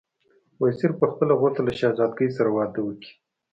وزیر پخپله غوښتل چې له شهزادګۍ سره واده وکړي.